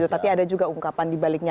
tapi ada juga ungkapan di baliknya